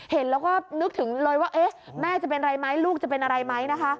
เห็นแล้วก็นึกถึงเลยว่าเอ๊ะแม่จะเป็นอะไรไหมลูกจะเป็นอะไรไหมนะคะ